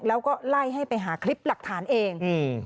แล้วก็ไล่ให้ไปหาคลิปหลักฐานเองอืม